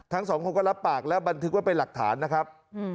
ทั้งสองคนก็รับปากและบันทึกไว้เป็นหลักฐานนะครับ